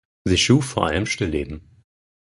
Sie schuf vor allem Stillleben.